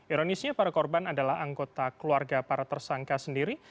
ironisnya para korban adalah anggota keluarga para tersangka sendiri